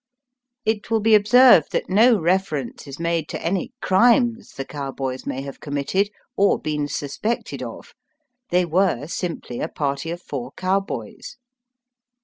It will be observed that no reference is made to any crimes the cowboys may have committed or been suspected of. They were simply a party of four cowboys.